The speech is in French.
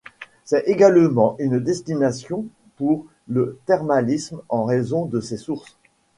C'est également une destination pour le thermalisme en raison de ses sources.